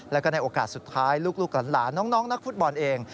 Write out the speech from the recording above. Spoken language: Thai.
แล้วก็ในโอกาสสุดท้ายลูกหลานน้องนักฟุตบอลเอง